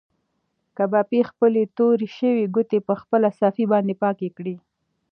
کبابي خپلې تورې شوې ګوتې په خپله صافه باندې پاکې کړې.